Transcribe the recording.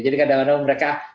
jadi kadang kadang mereka